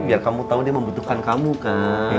biar kamu tahu dia membutuhkan kamu kak